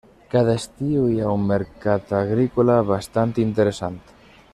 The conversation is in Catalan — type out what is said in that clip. Cada estiu hi ha un mercat agrícola bastant interessant.